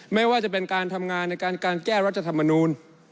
ไม่ว่าจะเป็นการทำงานในการแก้รัฐธรรมนูล